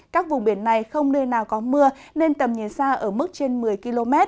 các vùng biển này không nơi nào có mưa nên tầm nhìn xa ở mức trên một mươi km